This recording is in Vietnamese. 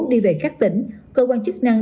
đi về các tỉnh cơ quan chức năng